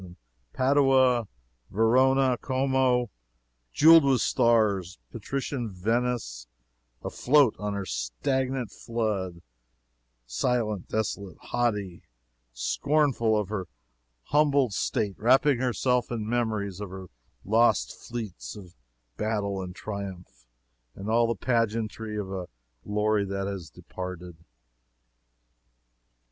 And Padua Verona Como, jeweled with stars; and patrician Venice, afloat on her stagnant flood silent, desolate, haughty scornful of her humbled state wrapping herself in memories of her lost fleets, of battle and triumph, and all the pageantry of a glory that is departed.